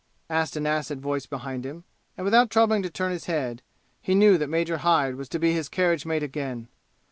asked an acid voice behind him; and without troubling to turn his head, he knew that Major Hyde was to be his carriage mate again.